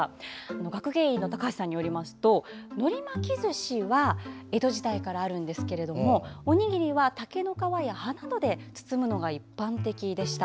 学芸員の高橋さんによりますとのり巻きずしは江戸時代からあるのですがおにぎりは竹の皮や葉っぱなどで包むのが一般的でした。